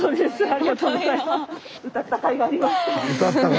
ありがとうございます。